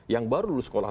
yang baru lulus sekolah